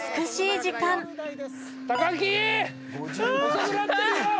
遅くなってるよ！